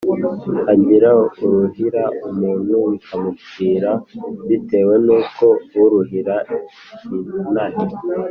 hagira uruhira umuntu bikamupfubira bitewe n'uko aruhira ikinani